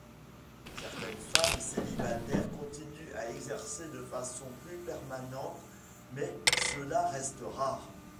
Certaines femmes célibataire continuent à exercer de façon plus permanente, mais cela reste rare.